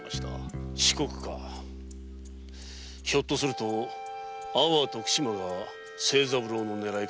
四国かひょっとすると阿波徳島が清三郎の狙いかな？